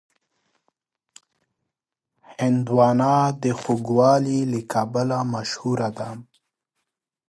هندوانه د خوږوالي له کبله مشهوره ده.